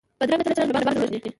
بدرنګه چلند مهربان زړونه وژني